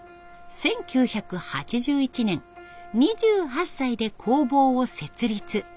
１９８１年２８歳で工房を設立。